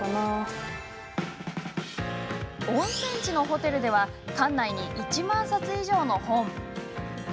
温泉地のホテルでは館内に１万冊以上の本。